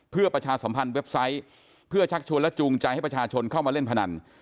เพื่อประชาสัมพันธ์เว็บไซต์เพื่อชักชวนและจูงใจให้ประชาชนเข้ามาเล่นพนัน